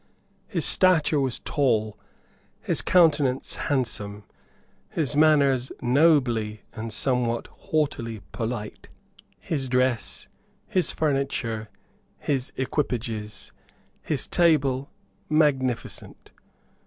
His stature was tall, his countenance handsome, his manners nobly and somewhat haughtily polite, his dress, his furniture, his equipages, his table, magnificent.